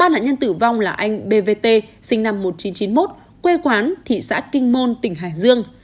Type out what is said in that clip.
ba nạn nhân tử vong là anh bvt sinh năm một nghìn chín trăm chín mươi một quê quán thị xã kinh môn tỉnh hải dương